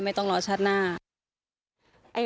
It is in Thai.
ไม่ต้องรอชาติหน้า